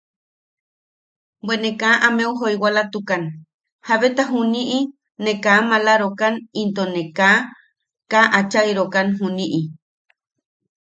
Bwe ne kaa unna ameu joiwalatukan jabeta juniʼi ne kaa maalarokan into ne kaa... kaa achairokan juniʼi.